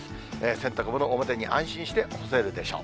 洗濯物、表に安心して干せるでしょう。